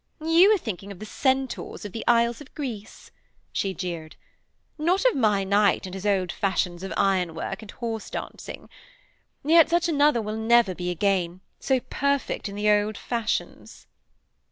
'You are thinking of the centaurs of the Isles of Greece,' she jeered, 'not of my knight and his old fashions of ironwork and horse dancing. Yet such another will never be again, so perfect in the old fashions.'